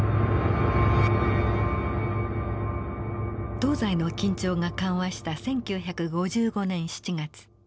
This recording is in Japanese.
東西の緊張が緩和した１９５５年７月。